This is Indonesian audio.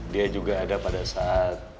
dia juga ada pada saat